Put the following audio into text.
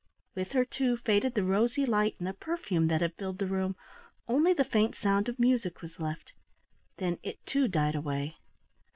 With her too, faded the rosy light and the perfume that had filled the room; only the faint sound of music was left. Then it too died away.